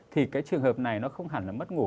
thì cái trường hợp này nó không hẳn là mất ngủ